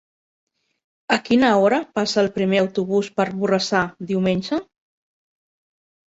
A quina hora passa el primer autobús per Borrassà diumenge?